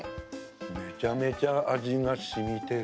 めちゃめちゃ味がしみてる。